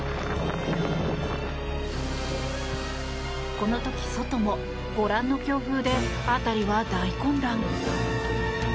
この時、外もご覧の強風で辺りは大混乱。